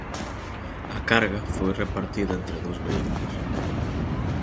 A carga foi repartida entre dous vehículos.